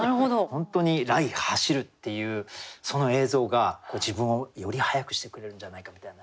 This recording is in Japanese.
本当に「雷迸る」っていうその映像が自分をより速くしてくれるんじゃないかみたいな。